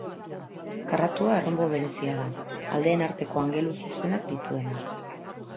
Karratua erronbo berezia da, aldeen arteko angelu zuzenak dituena.